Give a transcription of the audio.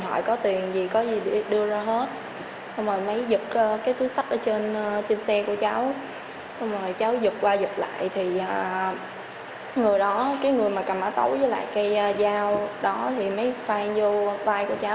xong rồi cháu dựt qua dựt lại thì người đó cái người mà cầm mã tấu với lại cái dao đó thì mới phai vô vai của cháu